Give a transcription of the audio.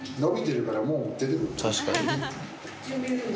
確かに。